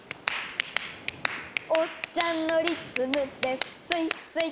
「おっちゃんのリズムでスイスイ」